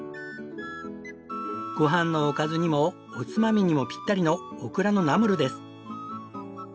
ごはんのおかずにもおつまみにもぴったりのオクラのナムルです。